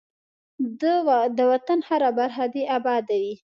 ده وطن هره برخه دی اباده وی.